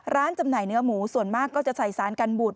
จำหน่ายเนื้อหมูส่วนมากก็จะใส่สารกันบุตร